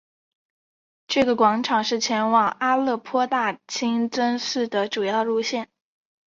这个广场是前往阿勒颇大清真寺的主要路线。